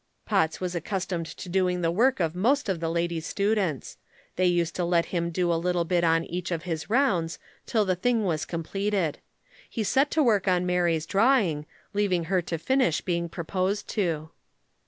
Potts was accustomed to doing the work of most of the lady students. They used to let him do a little bit on each of his rounds till the thing was completed. He set to work on Mary's drawing, leaving her to finish being proposed to.